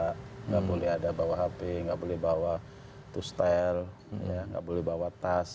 tidak boleh ada bawa hp nggak boleh bawa to stel nggak boleh bawa tas